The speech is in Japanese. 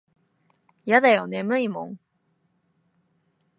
やだよ眠いもん。